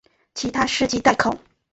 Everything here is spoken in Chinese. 其他事迹待考。